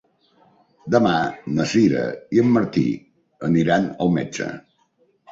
Demà na Sira i en Martí aniran al metge.